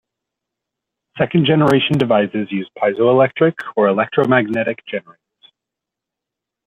Second generation devices used piezoelectric or electromagnetic generators.